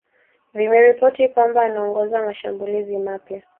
vimeripoti kwamba anaongoza mashambulizi mapya